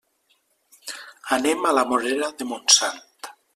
Anem a la Morera de Montsant.